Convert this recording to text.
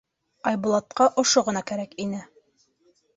Айбулатҡа ошо ғына кәрәк ине.